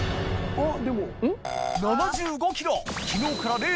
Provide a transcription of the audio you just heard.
あっ！